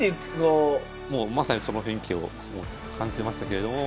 もうまさにその雰囲気をすごく感じてましたけれども。